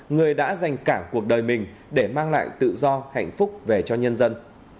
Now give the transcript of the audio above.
người đã dành cả cuộc đời mình để mang lại tự do hạnh phúc về cho nhân dân